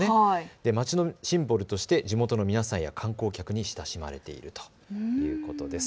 町のシンボルとして地元の皆さんや観光客に親しまれているそうです。